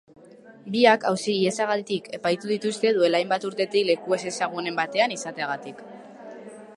Biak auzi-ihesagatik epaitu dituzte duela hainbat urtetik leku ezezagunen batean izateagatik.